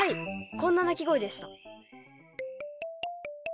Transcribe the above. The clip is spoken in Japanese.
こんな鳴き声でした。